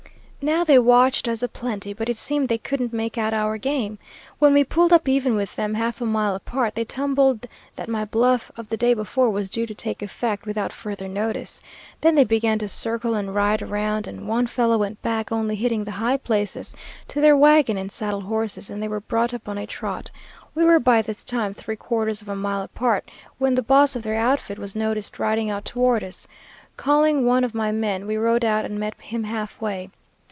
"Now they watched us a plenty, but it seemed they couldn't make out our game. When we pulled up even with them, half a mile apart, they tumbled that my bluff of the day before was due to take effect without further notice. Then they began to circle and ride around, and one fellow went back, only hitting the high places, to their wagon and saddle horses, and they were brought up on a trot. We were by this time three quarters of a mile apart, when the boss of their outfit was noticed riding out toward us. Calling one of my men, we rode out and met him halfway.